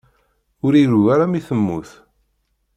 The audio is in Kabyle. Ur iru ara mi temmut.